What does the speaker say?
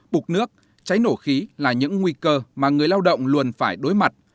bục nước cháy nổ khí là những nguy cơ mà người lao động luôn phải đối mặt